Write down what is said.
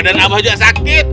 badan abah juga sakit